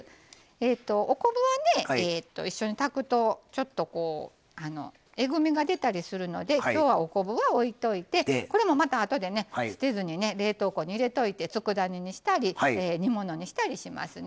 お昆布は一緒に炊くとちょっとえぐみが出たりするのできょうは、お昆布は置いておいてこれもまた、あとで捨てずに冷凍庫に入れといてつくだ煮にしたり煮物にしたりしますね。